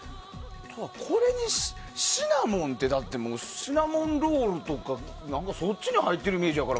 これにシナモンってシナモンロールとかそっちに入っているイメージやから。